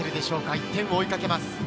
１点を追い掛けます。